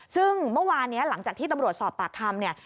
ซึ่งเมื่อวานนี้หลังจากที่ตำรวจสอบปากคำเนี่ย